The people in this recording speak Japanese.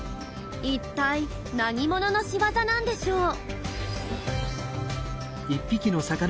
一体何者の仕業なんでしょう？